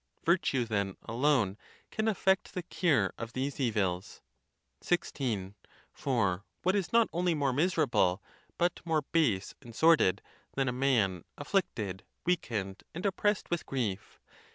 Virtue, then, alone can effect the cure of these evils. XVI. For what is not only more miserable, but more base and sordid, than a man afflicted, weakened, and op pressed with grief?